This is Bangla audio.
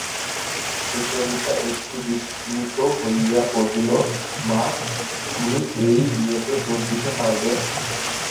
সুচরিতা একটু বিস্মিত হইয়া কহিল, মা, তুমি এই বিয়েতে যোগ দিতে পারবে?